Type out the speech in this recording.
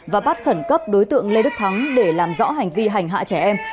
và bắt khẩn cấp đối tượng lê đức thắng để làm rõ hành vi hành hạ trẻ em